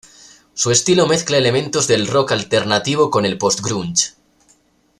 Su estilo mezcla elementos del rock alternativo con el post-grunge.